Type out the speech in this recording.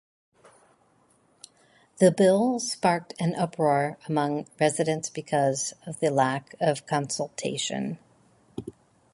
The bill sparked an uproar among residents because of the lack of consultation.